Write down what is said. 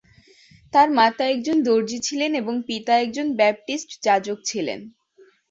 তার মাতা একজন দর্জি ছিলেন এবং পিতা একজন ব্যাপটিস্ট যাজক ছিলেন।